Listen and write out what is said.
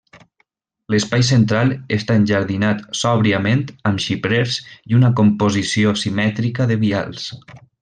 L'espai central està enjardinat sòbriament amb xiprers i una composició simètrica de vials.